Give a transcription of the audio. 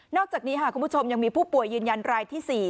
อกจากนี้คุณผู้ชมยังมีผู้ป่วยยืนยันรายที่๔